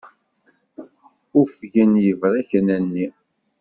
Ufgen yebṛiken-nni.